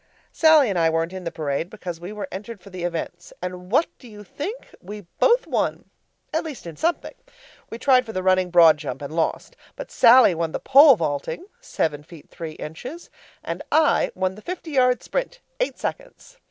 Sallie and I weren't in the parade because we were entered for the events. And what do you think? We both won! At least in something. We tried for the running broad jump and lost; but Sallie won the pole vaulting (seven feet three inches) and I won the fifty yard sprint (eight seconds).